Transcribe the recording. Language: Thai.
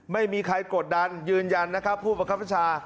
ไม่มีใครกดดันยืนยันนะครับผู้ประคับประชา